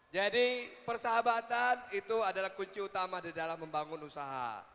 jadi persahabatan itu adalah kunci utama di dalam membangun usaha